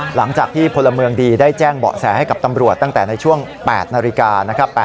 หลังจากที่พลเมืองดีได้แจ้งเบาะแสให้กับตำรวจตั้งแต่ในช่วง๘นาฬิกานะครับ